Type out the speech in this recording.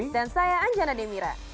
dan saya anjana demira